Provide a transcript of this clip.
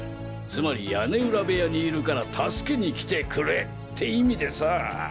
つまり「屋根裏部屋にいるから助けに来てくれ」って意味でさァ。